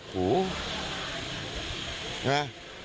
ใช่ไหม